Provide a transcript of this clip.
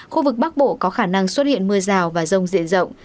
khu vực bắc bộ có khả năng xuất hiện mưa rào và rông diện rộng